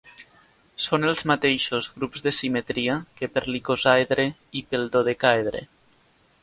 Són els mateixos grups de simetria que per l'icosàedre i pel dodecàedre.